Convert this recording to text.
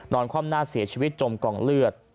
นอนความน่าเสียชีวิตจมกล่องเลือด